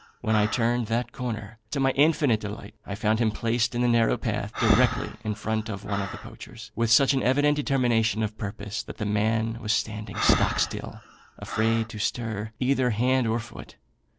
When I turned that corner, to my infinite delight I found him placed in the narrow path, directly in front of one of the poachers, with such an evident determination of purpose, that the man was standing stock still, afraid to stir either hand or foot.